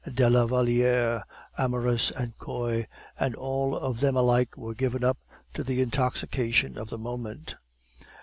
de la Valliere, amorous and coy; and all of them alike were given up to the intoxication of the moment.